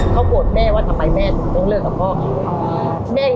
เขาโกรธแม่ว่าทำไมแม่ถึงต้องเลิกกับพ่อเขา